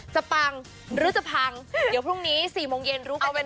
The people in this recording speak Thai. ปังหรือจะพังเดี๋ยวพรุ่งนี้๔โมงเย็นรู้ก็เป็น